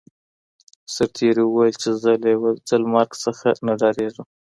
سرتیري وویل چي زه له یو ځل مرګ څخه نه ډاریږم.